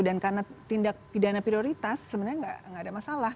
dan karena tindak pidana prioritas sebenarnya tidak ada masalah